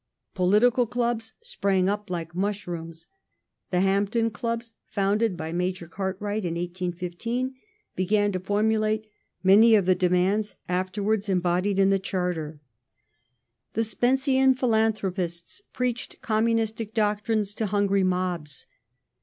Political clubs sprang up like mushrooms. The " Hampden " clubs, founded ^ji by Major Cartwright in 1815, began to formulate many of the » demands afterwards embodied in the '' Charter ". The " Spencean Philanthropists " preached communistic doctrines to hungry mobs.